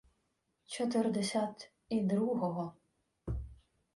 — Чотирдесять і другого...